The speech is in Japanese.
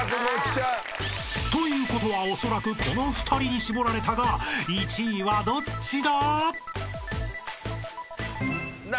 ［ということはおそらくこの２人に絞られたが１位はどっちだ？］